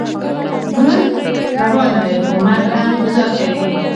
ژوند روان دی، خو مرګ هم انتظار کوي.